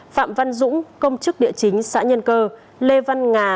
phạm văn dũng công chức địa chính xã nhân cơ lê văn ngà